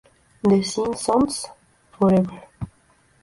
The Simpsons Forever!